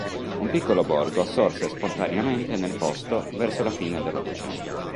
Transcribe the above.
Un piccolo borgo sorse spontaneamente nel posto verso la fine dell'Ottocento.